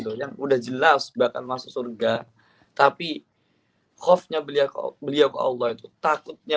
doyang udah jelas bahkan masuk surga tapi kofnya beliau beliau ke allah itu takutnya